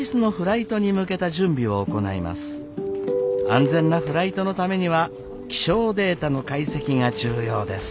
安全なフライトのためには気象データの解析が重要です。